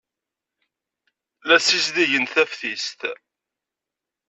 La ssizdigent taftist.